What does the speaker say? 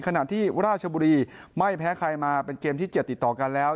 ขณะที่ราชบุรีไม่แพ้ใครมาเป็นเกมที่๗ติดต่อกันแล้ว